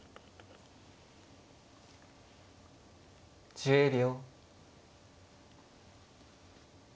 １０秒。